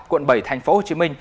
quận bảy tp hcm